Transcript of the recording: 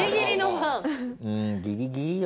うんギリギリよ